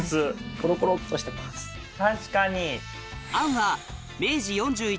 確かに。